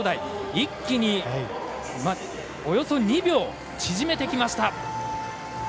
一気におよそ２秒縮めてきました。